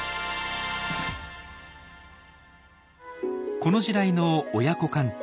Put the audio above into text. この時代の親子関係